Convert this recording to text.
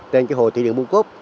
trên cái hồ thủy điện buôn cốp